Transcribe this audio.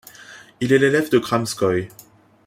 Il est l'élève de Kramskoï.